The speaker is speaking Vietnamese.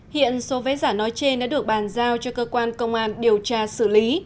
hiện số vé giả nói trên đã được bàn giao cho cơ quan công an điều tra xử lý